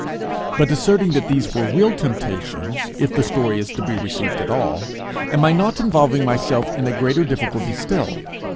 But asserting that these were real temptations if the story is to be received at all, am I not involving myself in a greater difficulty still?